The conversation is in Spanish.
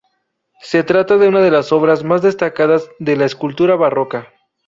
Se trata de una de las obras más destacadas de la escultura barroca.